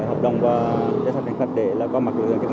hoạt động này lại hoạt động một cách bất chấp